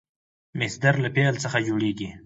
مصدر له فعل څخه جوړیږي.